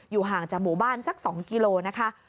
อยู่ห่างจากหมู่บ้านสัก๒กิโลกรัมนะคะ